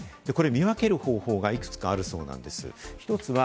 見分ける方法がいくつかあるそうなんです。